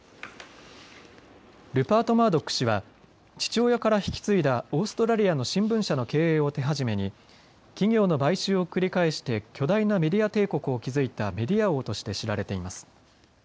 ルパート・マードック氏は父親から引き継いだオーストラリアの新聞社の経営を手始めに企業の買収を繰り返して巨大なメディア帝国を築いたメディア王として知られています。